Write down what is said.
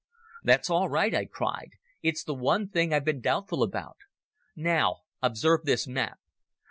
"That's all right," I cried. "It is the one thing I've been doubtful about. Now observe this map.